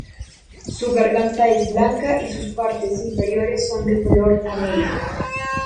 Su garganta es blanca y sus partes inferiores son de color canela.